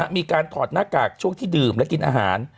ถอดหน้ากากช่วงที่ดื่มและกินอาหาร